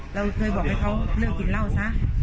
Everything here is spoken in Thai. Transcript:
เราเคยบอกให้เขาเลิกกินเหล้าซะ